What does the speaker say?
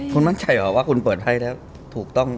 คุณมั่นใจเหรอว่าคุณเปิดให้แล้วถูกต้อง